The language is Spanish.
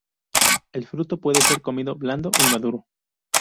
El fruto puede ser comido blando y maduro.